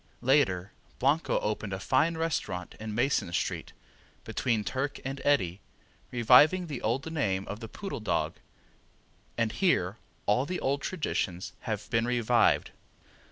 Later Blanco opened a fine restaurant in Mason street, between Turk and Eddy, reviving the old name of the Poodle Dog, and here all the old traditions have been revived.